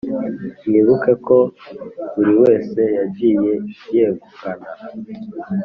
mwibuke ko buri wese yagiye yegukana